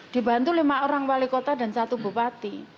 dibantu lima orang wali kota dan satu bupati